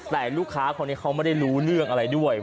แต่ลูกค้าคนนี้เขาไม่ได้รู้เรื่องอะไรด้วย